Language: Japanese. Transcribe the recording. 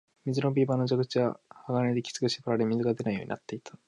水飲み場の蛇口は針金できつく縛られ、水が出ないようになっていた